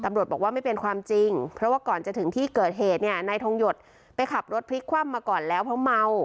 ตำรวจบอกว่าไม่เป็นความจริงเพราะว่าก่อนจะถึงที่เกิดเหตุเนี่ยนายทองหยดไปขับรถพลิกคว่ำมาก่อนแล้วเพราะเมา